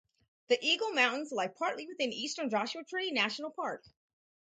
The Eagle Mountains lie partly within eastern Joshua Tree National Park.